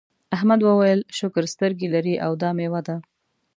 احمد وویل شکر سترګې لرې او دا میوه ده.